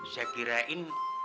saya kira ini adalah